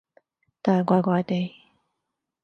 但係怪怪地